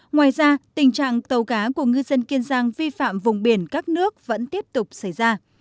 ngoài ra tình trạng tàu cá của ngư dân kiên giang vi phạm vùng biển các nước vẫn tiếp tục xảy ra